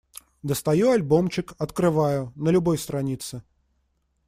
Достаю альбомчик, открываю — на любой странице.